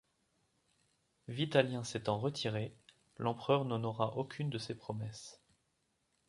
Vitalien s'étant retiré, l'empereur n'honora aucune de ses promesses.